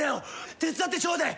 手伝ってちょうでえ。